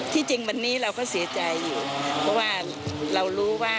จริงวันนี้เราก็เสียใจอยู่เพราะว่าเรารู้ว่า